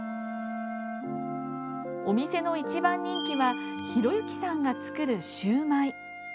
お店の一番人気は弘之さんが作るシューマイ。